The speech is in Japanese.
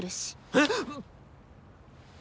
えっ！？